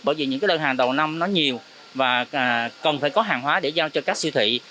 bởi vì những cái đơn hàng đầu năm nó nhiều và cần phải có hàng hóa để giao cho các siêu thị